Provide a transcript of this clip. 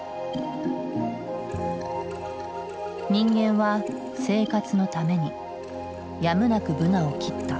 人間は生活のためにやむなくブナを切った。